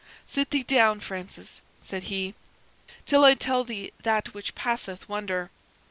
"Sit thee down, Francis," said he, "till I tell thee that which passeth wonder."